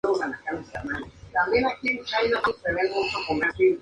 Construcción de maquinaria, materiales de construcción, industria de la alimentación y Hoteles.